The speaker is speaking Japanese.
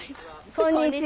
こんにちは。